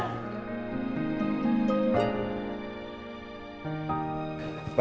terima kasih mbak